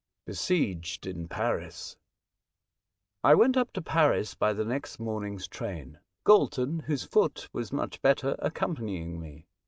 BESIEGED IN PARIS . I WENT up to Paris by the next morning's train, Galton, whose foot was much better, accompanying me.